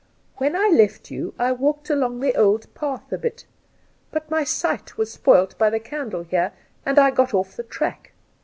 ' When I left you I walked along the old path a bit, but my sight was spoilt by the candle here and I got oflF the track.